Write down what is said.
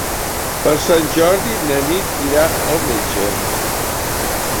Per Sant Jordi na Nit irà al metge.